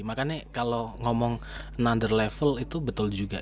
makanya kalau ngomong nunder level itu betul juga